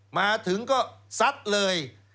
มาถึงก็ซัดเลย